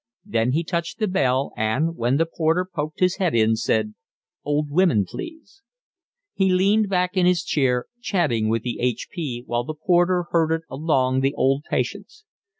Then he touched the bell and, when the porter poked his head in, said: "Old women, please." He leaned back in his chair, chatting with the H.P. while the porter herded along the old patients.